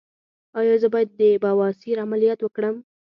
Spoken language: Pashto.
ایا زه باید د بواسیر عملیات وکړم؟